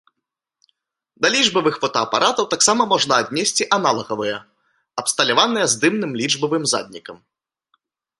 Да лічбавых фотаапаратаў таксама можна аднесці аналагавыя, абсталяваныя здымным лічбавым заднікам.